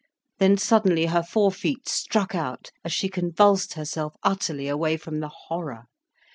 Then suddenly her fore feet struck out, as she convulsed herself utterly away from the horror.